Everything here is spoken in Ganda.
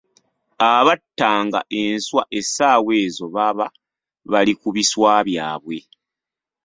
Abattanga enswa essaawa ezo baba bali ku biswa byabwe.